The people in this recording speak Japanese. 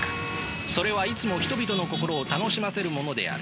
それはいつも人々の心を楽しませるものである。